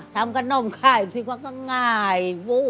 ทำกระน่องไข่สิวะก็ง่าย